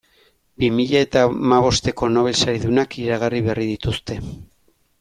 Bi mila eta hamabosteko Nobel saridunak iragarri berri dituzte.